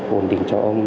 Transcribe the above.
ổn định cho ông